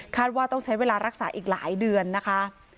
ว่าต้องใช้เวลารักษาอีกหลายเดือนนะคะ